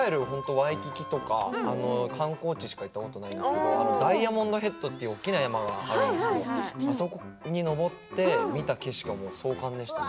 いわゆるワイキキとか観光地しか行ったことないんですけれどダイヤモンドヘッドっていう大きな山があってそこに上って見た景色が壮観でしたね